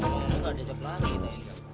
pernah dihukum lagi nih